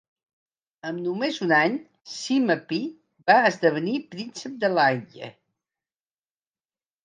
Amb només un any, Sima Pi va esdevenir príncep de Langye.